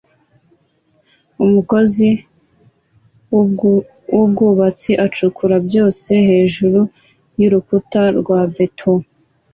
Umukozi wubwubatsi acukura byose hejuru yurukuta rwa beto